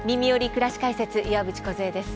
くらし解説」岩渕梢です。